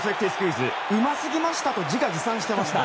うますぎましたと自画自賛していました。